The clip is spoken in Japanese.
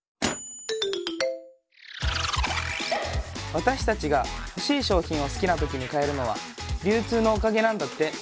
私たちが欲しい商品を好きな時に買えるのは流通のおかげなんだって。